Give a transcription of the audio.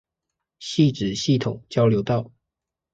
汐止系統交流道